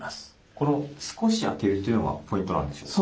この少し開けるというのがポイントなんでしょうか？